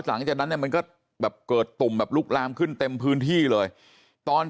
หลังจากนั้นเนี่ยมันก็แบบเกิดตุ่มแบบลุกลามขึ้นเต็มพื้นที่เลยตอน